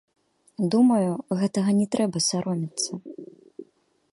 Думаю, гэтага не трэба саромецца.